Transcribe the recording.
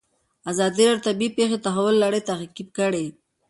ازادي راډیو د طبیعي پېښې د تحول لړۍ تعقیب کړې.